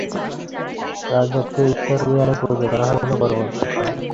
রাজাকে ঈশ্বর-জ্ঞানে পূজা করা হইল পরবর্তী ক্রম।